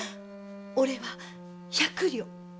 お礼は百両。